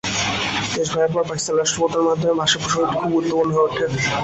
দেশভাগের পর পাকিস্তান রাষ্ট্র পত্তনের মাধ্যমে ভাষা প্রসঙ্গটি খুবই গুরুত্বপূর্ণ হয়ে ওঠে।